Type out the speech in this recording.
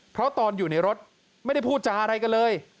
เพราะตอนอยู่ในรถไม่ได้พูดจาอะไรกันเลย